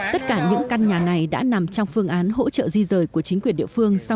tất cả những căn nhà này đã nằm trong phương án hỗ trợ di rời của chính quyền địa phương